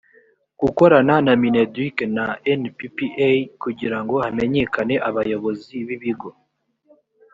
gukorana na mineduc na nppa kugira ngo hamenyekane abayobozi b ibigo